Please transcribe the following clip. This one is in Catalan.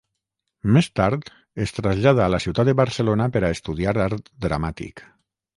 Més tard es trasllada a la ciutat de Barcelona per a estudiar Art Dramàtic.